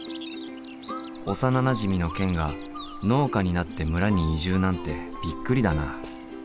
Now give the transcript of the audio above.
幼なじみのケンが農家になって村に移住なんてびっくりだな。